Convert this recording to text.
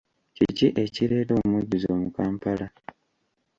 Kiki ekireeta omujjuzo mu Kampala?